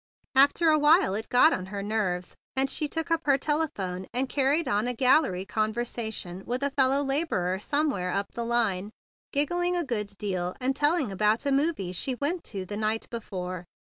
After a while it got on her nerves; and she took up her telephone, and carried on a gallery con¬ versation with a fellow laborer some¬ where up the line, giggling a good deal and telling about a movie she went to the night before.